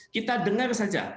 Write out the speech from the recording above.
kita dengar saja